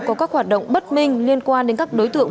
có các hoạt động bất minh liên quan đến các đối tượng